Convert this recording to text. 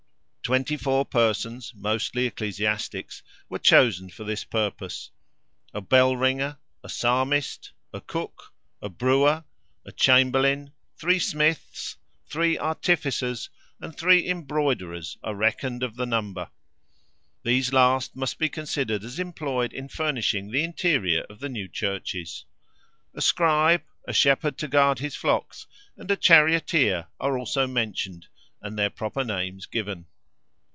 Twenty four persons, mostly ecclesiastics, were chosen for this purpose: a bell ringer, a psalmist, a cook, a brewer, a chamberlain, three smiths, three artificers, and three embroiderers are reckoned of the number. These last must be considered as employed in furnishing the interior of the new churches. A scribe, a shepherd to guard his flocks, and a charioteer are also mentioned, and their proper names given.